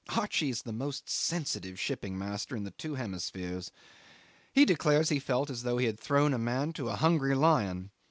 Archie's the most sensitive shipping master in the two hemispheres. He declares he felt as though he had thrown a man to a hungry lion.